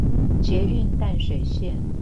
捷運淡水線